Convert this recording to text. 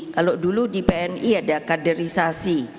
kalau dulu di pni ada kaderisasi